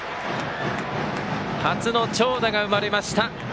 初の長打が生まれました。